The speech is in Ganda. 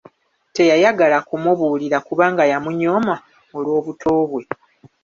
Teyayagala kumubuulira kubanga yamunyooma olw’obuto bwe.